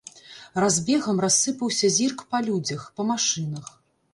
Разбегам рассыпаўся зірк па людзях, па машынах.